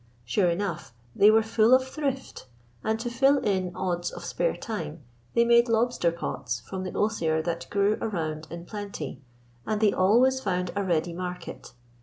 Sure enough they were full of thrift, and to fill in odds of spare time they made lobster pots from the osier that grew around in plenty, and they always found a ready market.